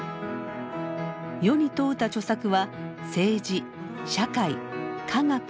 世に問うた著作は政治社会科学